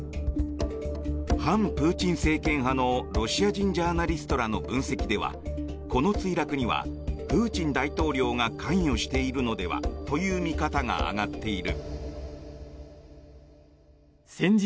反プーチン政権派のロシア人ジャーナリストらの分析ではこの墜落にはプーチン大統領が関与しているのではという見方が上がっている。